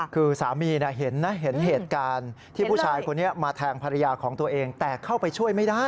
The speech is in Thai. คือสามีเห็นนะเห็นเหตุการณ์ที่ผู้ชายคนนี้มาแทงภรรยาของตัวเองแต่เข้าไปช่วยไม่ได้